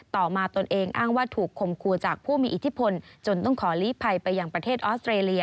ต่อมาตนเองอ้างว่าถูกคมครูจากผู้มีอิทธิพลจนต้องขอลีภัยไปยังประเทศออสเตรเลีย